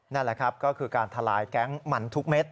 นั่นแหละครับก็คือการทลายแก๊งมันทุกเม็ด